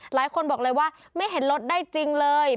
หลายคนบอกเลยว่าไม่เห็นรถได้จริงเลย